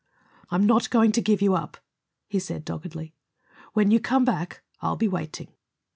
"I'm not going to give you up," he said doggedly. "When you come back, I'll be waiting."